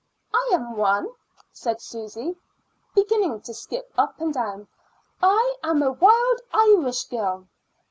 "I am one," said Susy, beginning to skip up and down. "I am a Wild Irish Girl."